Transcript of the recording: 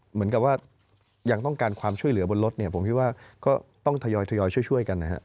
เหมือนกับว่ายังต้องการความช่วยเหลือบนรถเนี่ยผมคิดว่าก็ต้องทยอยช่วยกันนะฮะ